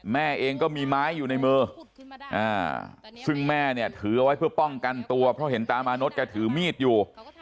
แม่เองก็มีไม้อยู่ในมือซึ่งแม่เนี่ยถือเอาไว้เพื่อป้องกันตัวเพราะเห็นตามานพแกถือมีดอยู่